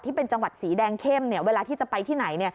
จังหวัดสีแดงเข้มเวลาที่จะไปที่ไหน